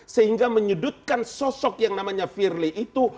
sehingga menyudutkan sosok yang namanya firly itu